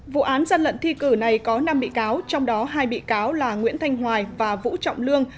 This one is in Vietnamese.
vụ án dân lận thi cử này có năm bị cáo trong đó hai bị cáo là nguyễn thanh hoài và vũ trọng lương